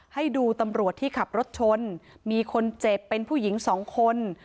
ให้ดูตำรวจที่ขับรถชนมีคนเจ็บเป็นผู้หญิงสองคน